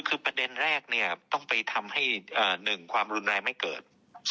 คือประเด็นแรกเนี่ยต้องไปทำให้๑ความรุนแรงไม่เกิด